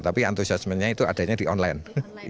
tapi antusiasmenya itu adanya di online